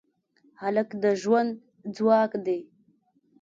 هلک د ژوند ځواک دی.